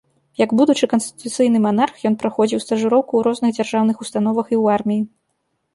Як будучы канстытуцыйны манарх ён праходзіў стажыроўку ў розных дзяржаўных установах і ў арміі.